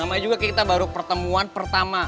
namanya juga kayak kita baru pertemuan pertama